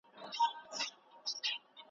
له ستورو ډک دا، ښایسته آسمان مې ولټوو